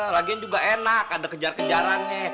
lagian juga enak ada kejar kejarannya